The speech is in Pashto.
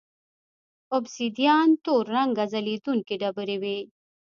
اوبسیدیان تور رنګه ځلېدونکې ډبرې وې